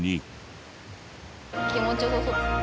気持ち良さそう。